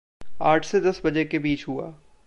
आठ से दस बजे के बीच हुआ।